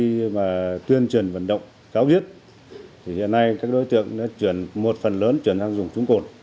khi mà tuyên truyền vận động cáo viết thì hiện nay các đối tượng nó chuyển một phần lớn chuyển sang dùng súng cồn